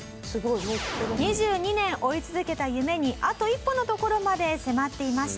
２２年追い続けた夢にあと一歩のところまで迫っていました。